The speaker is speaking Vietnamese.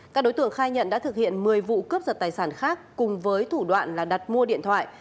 các đối tượng khai nhận đã thực hiện một mươi vụ cướp giật tài sản khác cùng với thủ đoạn là đặt mua điện thoại